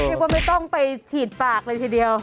คิดว่าไม่ต้องไปฉีดปากเหลือทีเดียว